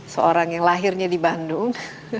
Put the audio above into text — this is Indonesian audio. seorang yang lahirnya di bandung